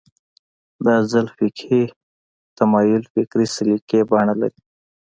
دا ځل فقهي تمایل فکري سلیقې بڼه لري